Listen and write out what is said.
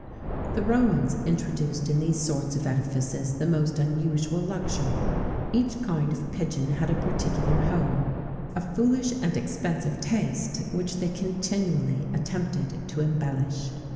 [XVII 92] The Romans introduced in these sorts of edifices the most unusual luxury.[XVII 93] Each kind of pigeon had a particular home[XVII 94] a foolish and expensive taste, which they continually attempted to embellish.